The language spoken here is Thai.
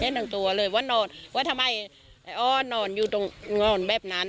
ทั้งตัวเลยว่านอนว่าทำไมไอ้อ้อนอนอยู่ตรงนอนแบบนั้น